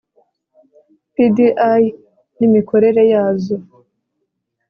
PDI N IMIKORERE YAZO